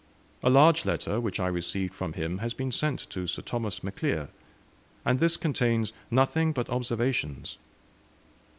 A large letter which I received from him has been sent to Sir Thomas MacLear, and this contains nothing but observations.